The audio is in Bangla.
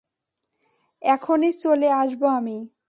এখনি চলে আসবো আমি।